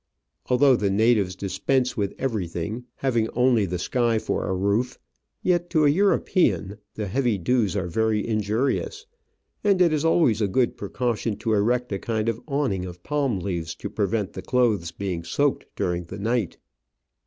Although the natives dispense with everything, having only the sky for a roof, yet to a European the heavy dews are very injurious, and it is always a good precaution to erect a kind of awning of palm leaves Digitized by VjOOQIC OF AN Orchid Hunter, 93 to prevent the clothes being soaked during the night.